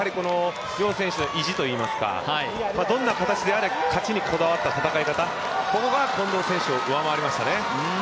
楊選手の意地といいますか、どんな形であれ勝ちにこだわった戦い方、ここが近藤選手を上回りましたね。